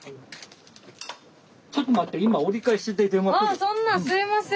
あそんなすいません。